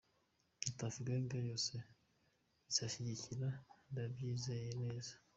Na Tuff Gang yose izanshyigikira ndabyizeye neza”.